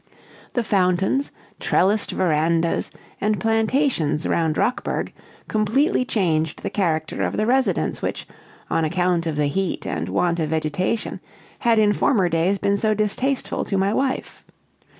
The fountains, trellised verandas, and plantations round Rockburg, completely changed the character of the residence which, on account of the heat and want of vegetation, had in former days been so distasteful to my wife.